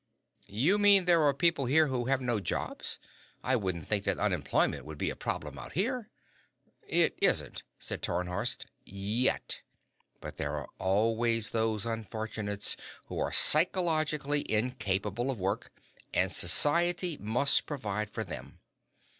"You mean there are people here who have no jobs? I wouldn't think that unemployment would be a problem out here." "It isn't," said Tarnhorst, "yet. But there are always those unfortunates who are psychologically incapable of work, and society must provide for them.